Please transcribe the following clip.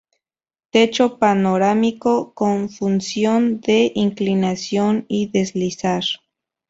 Techo panorámico con función de inclinación y deslizar.